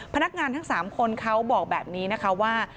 พนักงานทั้ง๓คนเขาบอกแบบนี้นะคะว่า